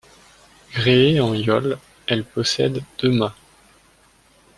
Gréée en yole, elle possède deux mâts.